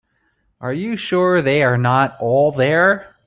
Are you sure they are not all there?